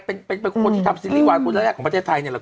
เป็นคนที่ทำซีรีส์วายคนแรกของประเทศไทยเนี่ยแหละ